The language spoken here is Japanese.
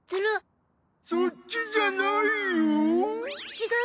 そっちじゃないよ。